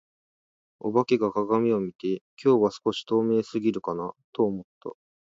お化けが鏡を見て、「今日は少し透明過ぎるかな」と思った。